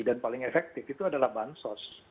dan paling efektif itu adalah bansos